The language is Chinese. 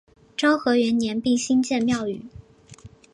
昭和元年并新建庙宇。